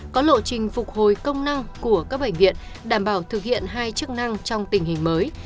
có lộ trình phục hồi công năng của các bệnh viện đảm bảo thực hiện hai chức năng trong tình hình mới